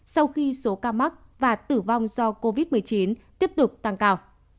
sau khi số ca mắc và tử vong do covid một mươi chín tiếp tục tăng cao